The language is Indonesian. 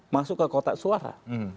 masuk ke kota suara